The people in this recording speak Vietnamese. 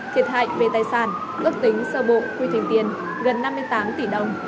thiệt hại về tài sản ước tính sơ bộ quy trình tiền gần năm mươi tám tỷ đồng